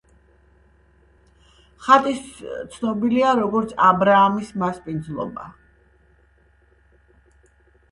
ხატის ცნობილია როგორც „აბრაამის მასპინძლობა“.